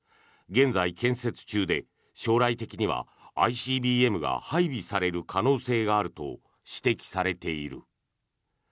現在、建設中で将来的にはＩＣＢＭが配備される可能性があると指摘されている。